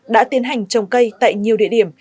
đã tiến hành trồng cây tại nhiều địa điểm